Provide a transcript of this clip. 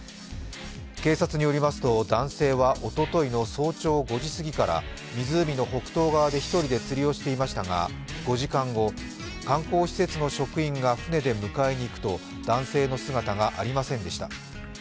警察によりますと男性はおとといの早朝５時過ぎから湖の北東側で１人で釣りをしていましたが、５時間後、観光施設の職員が船で迎えに行くと男性の姿がありませんでした。